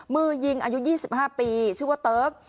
มือยิงอายุ๒๕ปีชื่อว่าเติ๊ก